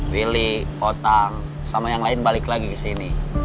willy otang sama yang lain balik lagi kesini